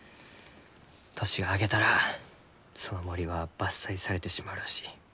年が明けたらその森は伐採されてしまうらしい。